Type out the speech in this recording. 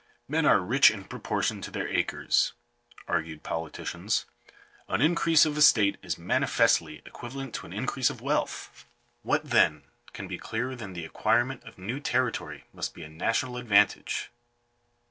" Men are rich in proportion to their acres," argued politicians. " An increase of estate is manifestly equivalent to an increase of wealth. What, then, can be clearer than that the acquirement of new territory must be a national advantage